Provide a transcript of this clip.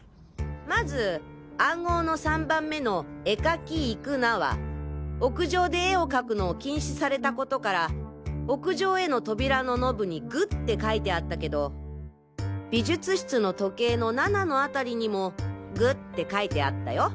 まず暗号の３番目の「絵描き行くな」は屋上で絵を描くのを禁止されたことから屋上への扉のノブに「ぐ」って書いてあったけど美術室の時計の７の辺りにも「ぐ」って書いてあったよ。